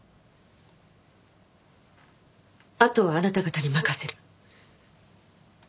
あとはあなた方に任せる。